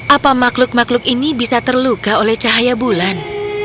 apa makhluk makhluk ini bisa terluka oleh cahaya bulan